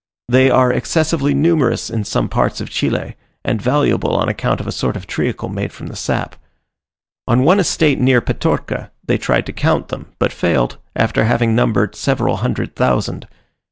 They are excessively numerous in some parts of Chile, and valuable on account of a sort of treacle made from the sap. On one estate near Petorca they tried to count them, but failed, after having numbered several hundred thousand.